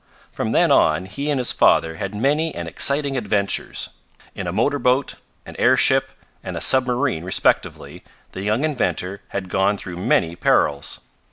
From then on he and his father had many and exciting adventures. In a motor boat, an airship, and a submarine respectively the young inventor had gone through many perils.